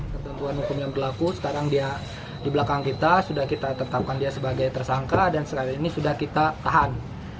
ketentuan hukum yang berlaku sekarang di belakang kita sudah kita tetapkan dia sebagai tersangka dan sekarang ini sudah kita tahan